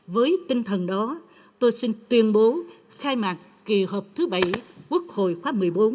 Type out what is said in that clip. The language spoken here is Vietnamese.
với tinh thần đó tôi xin tuyên bố khai mạc kỳ họp thứ bảy quốc hội khóa một mươi bốn